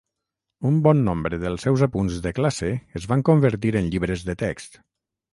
Un bon nombre dels seus apunts de classe es van convertir en llibres de text.